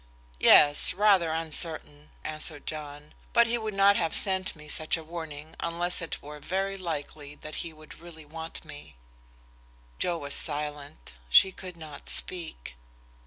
"Yes, rather uncertain," answered John. "But he would not have sent me such a warning unless it were very likely that he would really want me." Joe was silent; she could not speak.